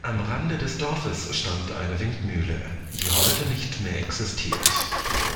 Am Rande des Dorfes stand eine Windmühle, die heute nicht mehr existiert.